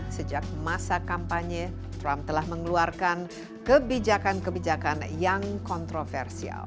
sejak masa kampanye trump telah mengeluarkan kebijakan kebijakan yang kontroversial